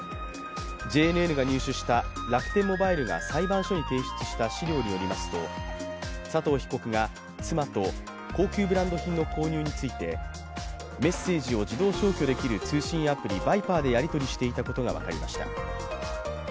ＪＮＮが入手した楽天モバイルが裁判所に提出した資料によりますと、佐藤被告と妻と高級ブランド品の購入についてメッセージを自動消去できる通信アプリＶｉｂｅｒでやり取りしていこたことが分かりました。